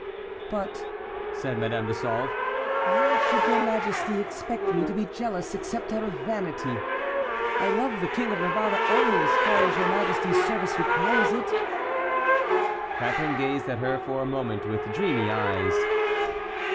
"But," said Madame de Sauve, "how should your majesty expect me to be jealous except out of vanity? I love the King of Navarre only as far as your majesty's service requires it." Catharine gazed at her for a moment with dreamy eyes.